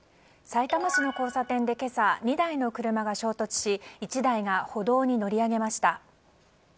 さいたま市の交差点で今朝２台の車が衝突し１台が歩道に乗り上げました。